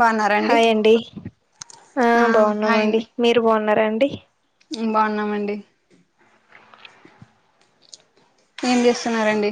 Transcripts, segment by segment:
బాగున్నారండి హాయ్ అండి ఆ బావున్నామండి మీరు బావున్నారాండి బావున్నామండి ఏం చేస్తున్నరండి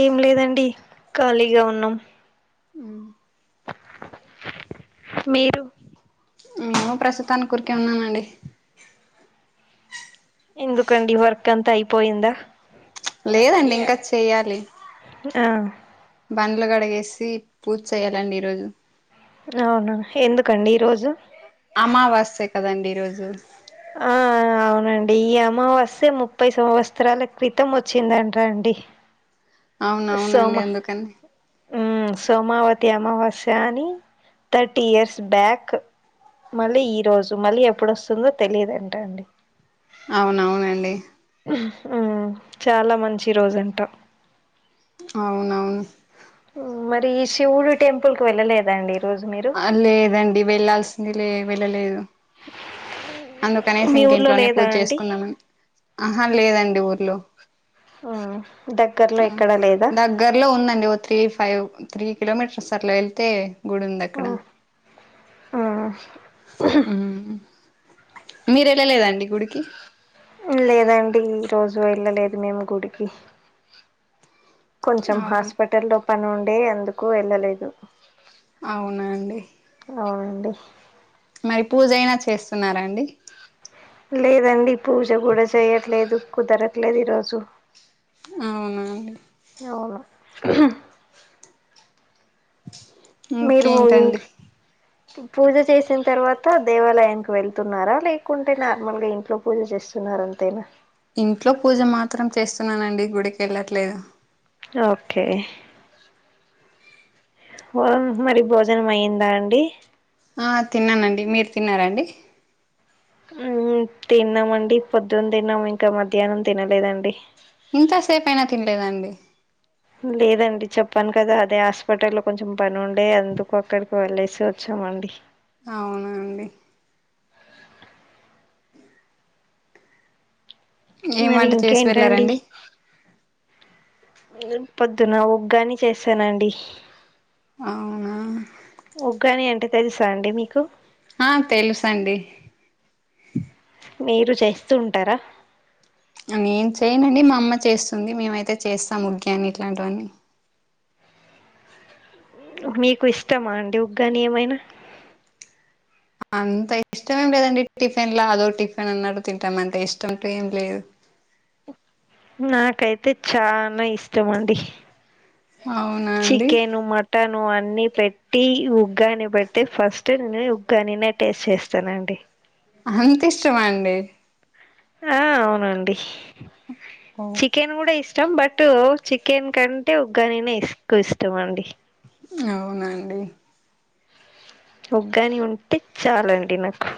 ఏం లేదండి ఖాళీగా ఉన్నాం మీరు నేను ప్రస్తుతానికి ఉరికే ఉన్నానండి ఎందుకండి వర్క్ అంతా అయిపోయిందా లేదండి ఇంకా చెయ్యాలి ఆ.. బండ్ల గడగేసి పూచేయ్యాలండి ఈరోజు... రవునా ఎందుకండి ఈరోజు... అమావాస్య కదండి ఈరోజు.. ఆ.. అవునండి ఈ అమావాస్య ముప్పై సంవత్సరాల క్రితం వచ్చిందంట్రా అండి.. సోమ అవునవునండి ఎందుకని.. ఉమ్ సోమావతి అమావాస్య అని థర్టీ ఇయర్స్ బ్యాక్.. మళ్ళీ ఈ రోజు మళ్ళీ ఎప్పుడోస్తుందో తెలియదంట అండి.. అవునవునండి.. మ్మ్మ్ చాలా మంచి రోజంటా... అవునవును.. హమ్ మరి శివుడు టెంపుల్ కు వెళ్ళలేదండి ఈ రోజు మీరు... ఆ లేదండి వెళ్లాల్సింది లే వెళ్ళలేదు... అందుకనేసి మీ ఇంక ఊర్లో ఇంట్లోనే లేదా పూజ అండి చేసుకుందామని.. ఆహా వ్ లేదండి ఊర్లో... అ దగ్గర్లో ఎక్కడా లేదా... గార్లో ఉందండి ఓ త్రీ ఫైవ్ త్రీ కిలోమీటర్స్ వెళ్తే గుడి ఉంది అక్ ఆ.. అ మీరు ఎళ్ళలేదండి గుడికి... లేదండి ఈ రోజు వెళ్ళలేదు మేము గుడికి... కొంచెం అవును హాస్పిటల్ లో పని ఉండే అందుకు వెళ్ళలేదు... అవునా అండి.. అవునండి.. మరి పూజ అయినా చేస్తున్నారాండి... లేదండి పూజ కూడా చేయట్లేదు కుదరట్లేదు ఈరోజు... అవునా అండి... అవునా... మీరు ఇంకేంటండి మయింక్ పూజ చేసిన్ తర్వాత దేవాలయానికి వెళ్తున్నారా లేకుంటే నార్మల్గా ఇంట్లో... పూజ చేస్తున్నారు అంతేనా... ఇంట్లో పూజ మాత్రం చేస్తున్నానండి గుడికి వెళ్ళట్లేదు... ఓకే.. మరి భోజనం అయిందా అండి,.. ఆ తిన్నానండి మీరు తిన్నారా అండి... తిన్నామండి పొద్దున్ తిన్నాము ఇంకా మధ్యాహ్నం తినలేదండి... ఇంత సేపుయినా తినలేదండి... లేదండి చెప్పాను కదా అదే హాస్పిటల్లో కొంచెం పని ఉండే అందుకు అక్కడికి వెళ్లేసి వచ్చామండి... అవునా.. అండి ఏం మరీ వంట చేసి ఇంకేంటండి... వెళ్ళారండి పొద్దున ఉగ్గాని చేసానండి... అవునా ఉగ్గాని అంటే తెలుసా అండి మీకు... ఆహ్ తెలుసండి... మీరు చేస్తూంటారా... నేన్ చేయనండి మా అమ్మ చేస్తుంది మేమైతే చేస్తాము ఉగ్యామి ఇట్లాంటివన్నీ మీకు ఇష్టమా అండి ఉగ్గాని ఏమైనా అంత ఇష్టం ఏం లేదండి టిఫిన్ లా అదో టిఫిన్ అన్నట్టు తింటామ్ అంతే ఇష్టం అంటూ ఏం లేదు నాకైతే చాన ఇష్టమండి అవునా అండి చికెను మట్ ట్టను అన్ని పెట్టి ఉగ్గాని బెడ్తే ఫస్ట్ నేను ఉగ్గానీనే టేస్ట్ చేస్తానండి అంతిష్టమా అండి ఆ ఔనండి చికెన్ ఓ చికెన్ గూడ ఇష్టం బట్ చికెన్ కంటే ఉగ్గానినె ఇష్ ఎక్కువ ఇష్టం అండి అవునాండి ఉగ్గాని ఉంట్టె చాలండి నాకు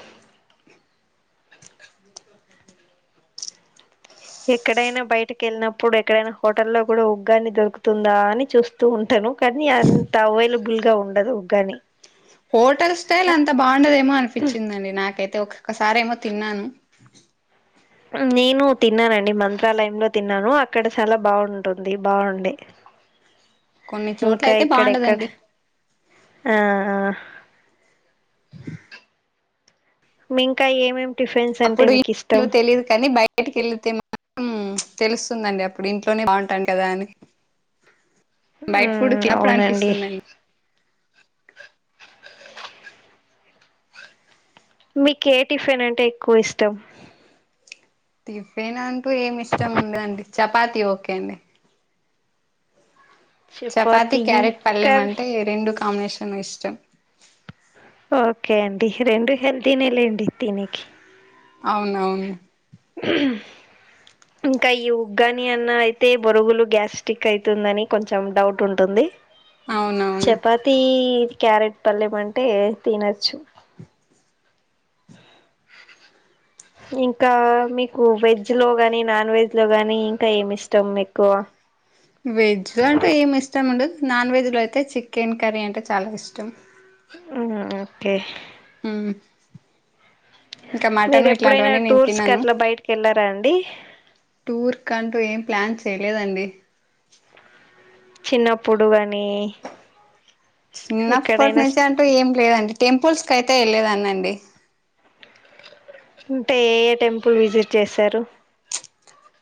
ఎక్కడైనా బయటకెళ్ళినప్పుడు ఎక్కడైనా హోటల్లో గూడా ఉగ్గాన్ని దొరుకుతుందా అని చూస్తూ ఉంటాను కనీ అంత అవైలబుల్ గా ఉండదు ఉగ్గాని హోటల్ స్టైల్ అంత బావుండదేమో అనిపిచ్చిందండి నాకైతే ఒక్కొక్క సారి ఏమో తిన్నాను నేను తిన్నానండి మంత్రాలయంలో తిన్నాను అక్కడ చాలా బాగుంటుంది బాగుండే కొన్ని చోట్ల ఇంకా అయితే ఇక్కడ ఎక్కడ బాగుండదండి హా ఆ మీ ఇంకా ఏమేం అప్పుడు ఇప్పుడో తెలీదు కని బయట్ బయటికెళతే మాత్రం తెలుస్తుందండి అప్పుడు ఇంట్లోనే బాగుంటాంటదని బైట ఫుడ్ మ్మ్ తిన్నప్పుడు అవునండి అనిపిస్తుందండి మికే టిఫిన్ అంటే ఎక్కువ ఇష్టం టిఫిన్ అంటూ ఏం ఇష్టం ఉండదండి చపాతి ఓకే అండి చపాతి క్యారెట్ పల్లెం కర్రీ అంటే రెండు కాంబినేషన్ లో ఇష్టం ఓకే అండి రెండు హెల్తీనే లేండి తినేకి అవునవును ఇంక ఈ ఉగ్గాని అన్న అయితే బోరుగులు గ్యాస్టిక్ అయితుందని కొన్ చం డౌట్ ఉంటుంది అవునవును చపాతి క్యారెట్ పల్లెం అంటే ఏ తినచ్చు ఇంకా మీకు వెజ్ లో గాని నాన్ వెజ్ లో గాని ఇంకా ఏం ఇష్టం మీకు వెజ్లో అంటే ఏం ఇష్టం ఉండదు నాన్ వెజ్లో అయితే చికెన్ కర్రీ అంటే చాలా ఇష్టం ఉమ్ ఓకే ఉమ్ మీరెప్పుడైనా నేను టూర్స్ కి తినను అట్ల బయిటికెళ్ళారా అండి టూర్ కంటూ ఏం ప్లాన్ చేయలేదండి చిన్నప్పుడు గాని ఎక్కడైనా చిన్నప్పట్నుంచి అంటూ ఏం లేదండి టెంపుల్స్ కయితే ఏళ్ళెదాన్నండి అంటే ఏ ఏ టెంపుల్ విజిట్ చేసారు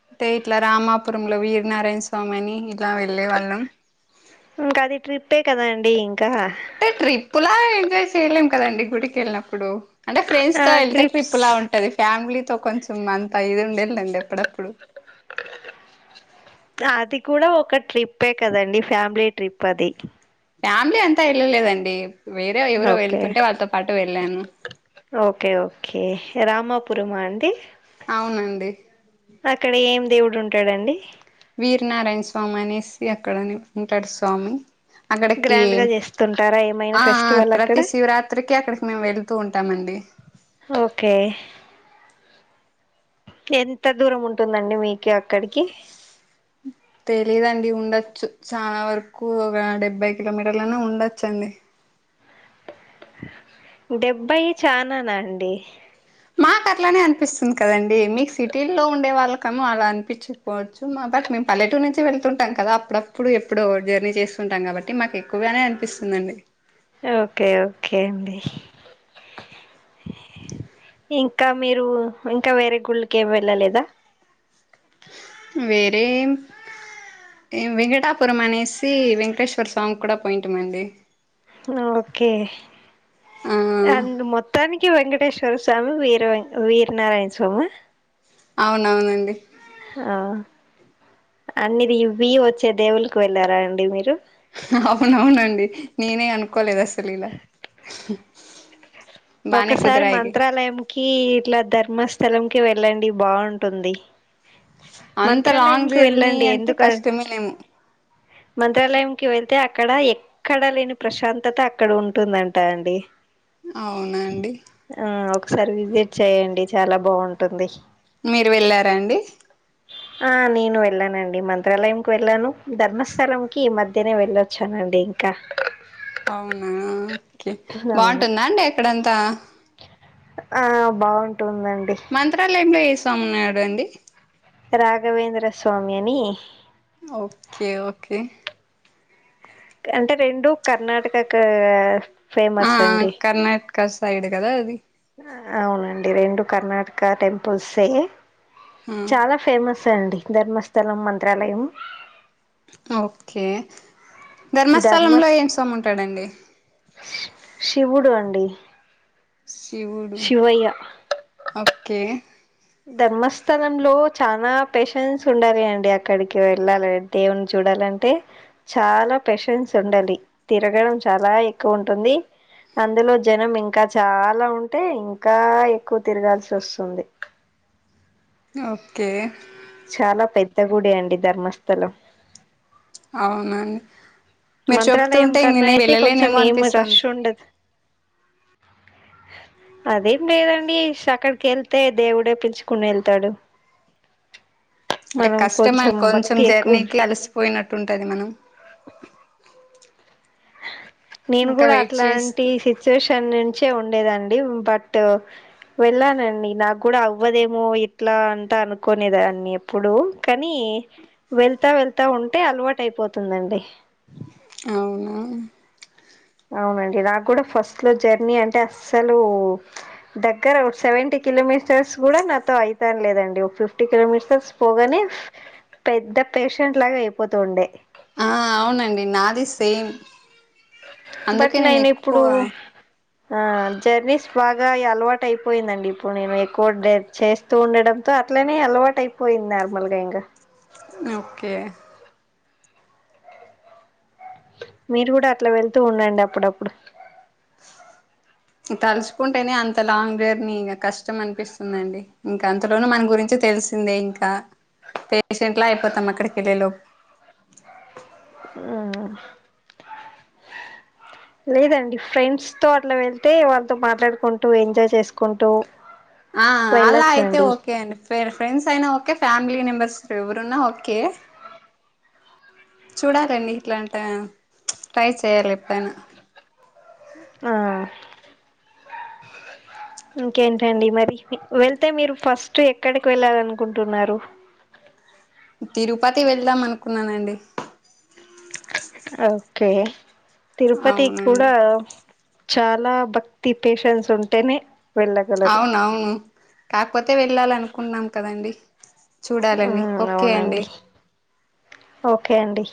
అంటే ఇట్ల రామాపురంలో వీర్నారాయణ స్వామి అని ఇట్లా వెళ్ళే వాళ్ళం ఇంకది ట్రిప్పే కదాండి ఇంకా టే ట్రిప్పులా ఎంజాయ్ చేయలేం కదండి గుడికెళ్ళినప్పుడు అంటే ఫ్రెండ్స్ ఆ తో ఏళ్తే ట్రిప్స్ ట్రిప్ లా ఉంటది ఫ్యామిలీతో కొంచెం అంతా ఇదుండద్ లేండి అప్పుడప్పుడు ఆటిక్కుడా ఒక ట్రిప్పె కదండి ఫ్యామిలీ ట్రిప్ అది ఫ్యామిలీ అంతా ఎళ్ళలేదండి వేరే ఎవరో ఓకే వెళ్తుంటే వాళ్ళతో పాటు వెళ్ళాను ఓకే ఓకే రామాపురమా అండి అవునండి అక్కడ ఏం దేవుడు ఉంటాడండి వీరనారాయణ స్వామి అనేసి అక్కడ ఉంటాడు స్వామి అక్కడికి గ్రాండ్ గా చేస్తుంట ఆ ఆ ప్రతి శివరాత్రికి అక్కడికి మేము వెళ్తూ ఉంటామండి ఓకే ఎంత దూరం ఉంటుందండి మీకి అక్కడికి తెలీదండి ఉండొచ్చు చాలా వరకు ఒక డెబ్బై కిలోమీటర్లన ఉండచ్చండి డెబ్భై చాన నా అండి మాకట్లనే అనిపిస్తుంది కదండి మీకు సిటీల్లో ఉండే వాళ్ళకెమో అలా అనిపించు పోవచ్చు మా బట్ మేము పల్లెటూరు నుంచి వెళ్తుంటాం కదా అప్పుడప్పుడు ఎప్పుడో జర్నీ చేస్తుంటాం కాబట్టి మాకు ఎక్కువగానే అనిపిస్తుందండి ఓకే ఓకే అండి ఇంకా మీరు ఇంకా వేరే గుళ్ళకేమి వెళ్ళలేదా వేరే ఏం వెంకటాపురం అనేసి వెంకటేశ్వర స్వామి కూడా పోయింటమండి ఆ ఓకే ఆ అ మొత్తానికి వెంకటేశ్వర స్వామి వీరవెంక వీరనారాయణ స్వామ అవునవునండి ఆ అన్నిది బియ్యం వచ్చే దేవుల్లకి వెళ్ళారా అండి మీరు అవునవునండి నేనే అనుకోలేదు అసలీలా ఒకసారి మంత్రాలయంకి ఇట్లా ధర్మస్థలం కి వెళ్ళండి బాగుంటుంది అంత లాంగ్ మంత్రాలయంకి జర్నీ వెళ్ళండి అంటే ఎందుకన్ కష్టమేనేమో మంత్రాలయంకి వెళ్తే అక్కడ ఎ ఎక్కడ లేని ప్రశాంతత అక్కడ ఉంటుందంటా అండి అవునాండి ఆ ఒకసారి విజిట్ చెయండి చాలా బాగుంటుంది మీరు వెళ్ళార అండి ఆ నేను వెళ్ళానండి మంత్రాలయంకి వెళ్ళాను ధర్మస్థలంకి ఈ మధ్యనే వెళ్ళొ ళ్లొచ్చానండి ఇంకా అవునా ఓకే అవును బాగుంటుందా అండి అక్కడంతా ఆ బాగుంటుందండి మంత్రాలయంలో ఏ సామున్నాడు అండి రాఘవేంద్ర స్వామి అని ఓకే ఓకే అంటే రెండు కర్ణాటక క ఆ కర్ణాటక సైడ్ కదా అది అవునండి రెండు కర్ణాటక టెంపుల్సే ఆ చాల ఫేమస్సే అండి ధర్మస్థలం మంత్రాలయం ఓకే ధర్మస్థలంలో ధర్మస్ ఏం స్వామి ఉంటాడండి శివుడు అండి శివుడు శివయ్య ఓకే ధర్మస్థలంలో చనా పేషెన్స్ ఉండాలి అండి అక్కడికి వెళ్ళాలనంటె దేవుని చూడాలంటే చాలా పెషన్స్ ఉండాలి తిరగడం చాలా ఎక్కువ ఉంటుంది అందులో జనం ఇంకా చాలా ఉంటే ఇంకా ఎక్కువ తిరగాల్సి ఒస్తుంది ఓకే చాలా పెద్ద గుడి అండి ధర్మస్థలం అవునం మంత్రాలయం కన్నైతే కొంచెం ఏం రష్ అనిపిస్తుంది ఉండదు అదేం లేదండి అక్కడికెళ్తే దేవుడే పిల్చుకునెళ్తాడు అంటే కష్టమన్ కొంచెం భక్తి ఎక్కువ జర్నీకి అలిసిపోయినట్టుంటది మనం నేను ఇంకా గూడా వెయిట్ అట్లాంటి చేస్తూ సిచ్యుయేషన్ నుంచే ఉండేదండి బట్ వెళ్ళానండి నాగ్గూడా అవ్వదేమో ఇట్లా అంతా అనుకోనేదాన్ని అప్పుడు కానీ వెళ్తా వెళ్తా ఉంటే అలవాటైపోతుందండి అవునా అవునండి నాగ్గూడా ఫస్ట్లో జర్నీ అంటే అస్సలు దగ్గర ఒక్ సెవెంటీ కిలోమీస్ర్స్ గూడా నాతో ఐతన్లేదండి ఒక్ ఫిఫ్టీ కిలోమీస్ర్స్ పోగానే పెద్ద పేషెంట్ లాగా అయిపోతూండే ఆ అవునండి నాదీ సేమ్ అందుకే బట్ నేను ఎక్కువ నేనిప్పుడు ఆ జర్నీస్ బాగాయి అలవాటైపోయిందండి ప్పుడు నేను ఎక్కువ డైట్ చేస్ స్తు ఉండడంతో అట్లనే అలవాటైపోయింది నార్మల్గా ఇంగా ఓకే మీరు గూడా అట్లా వెళ్తూ ఉండండి అప్పుడప్పుడు తల్చుకుంటేనే అంత లాంగ్ జర్నీ ఇంగ కష్టం అనిపిస్తుందండి ఇంకా అంతలోనూ మన గురించి తెలిసిందే ఇంకా పేషెంట్లా అయిపోతాం అక్కడికి వెళ్ళేలోపు ఊ లేదండి ఫ్రెండ్స్తో అట్లా వెళ్తే వాళ్ళతో మాట్లాడుకుంటూ ఎంజాయ్ చేసుకుంటూ ఆ అలా అయితే వెళ్ళొచ్చండి ఓకే అండి ఫేర్ ఫ్రెండ్స్ అయినా ఓకే ఫ్యామిలీ మెంబర్స్ ఎవరున్నా ఓకే చూడాలండి ఇట్లంటే ట్రై చేయాలి ఎప్పుడైనా ఆ ఇంకేంటండి మరి వెళ్తే మీరు ఫస్టు ఎక్కడికి వెళ్ళాలనుకుంటున్నారు తిరుపతి వెళ్దాం అనుకున్నానండి ఓకే అవునండి తిరుపతికూడా చాలా భక్తి పేషన్స్ ఉంటేనే వెళ్ళగలరు అవునవును కాకపోతే వెళ్ళాలనుకున్నాం కదండి చూడాలండి మ్ ఓకే అండి అవునండి ఓకే అండి